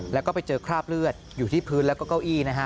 แล้วก็ไปเจอคราบเลือดอยู่ที่พื้นแล้วก็เก้าอี้นะฮะ